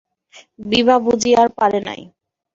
বিভা বুঝি আর পারে নাই।